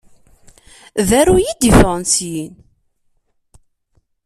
D aruy i d-yeffɣen syin.